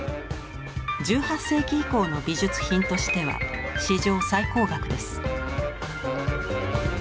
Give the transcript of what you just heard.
１８世紀以降の美術品としては史上最高額です。